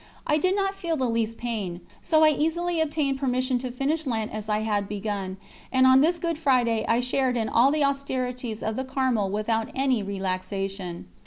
I did not feel the least pain, so I easily obtained permission to finish Lent as I had begun, and on this Good Friday I shared in all the austerities of the Carmel without any relaxation.